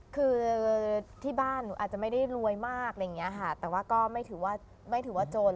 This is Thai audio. คือที่บ้านอาจจะไม่ได้รวยมากแต่ก็ไม่ถือว่าจน